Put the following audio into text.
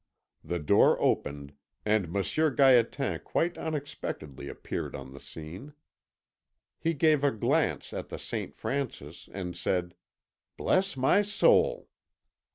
The door opened, and Monsieur Gaétan quite unexpectedly appeared on the scene. He gave a glance at the Saint Francis, and said: "Bless my soul!"